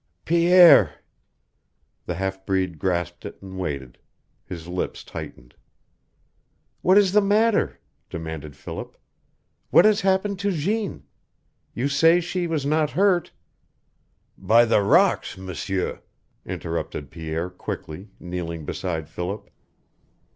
"Pierre!" The half breed grasped it and waited. His lips tightened. "What is the matter?" demanded Philip. "What has happened to Jeanne? You say she was not hurt " "By the rocks, M'sieur," interrupted Pierre, quickly, kneeling beside Philip.